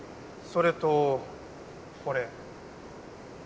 それとこれ。